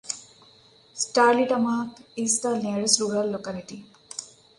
Sterlitamak is the nearest rural locality.